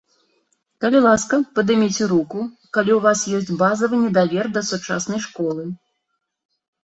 Калі ласка, падыміце руку, калі ў вас ёсць базавы недавер да сучаснай школы.